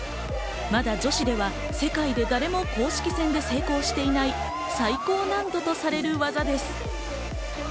まだ女子では世界で誰も公式戦で成功していない最高難度とされる技です。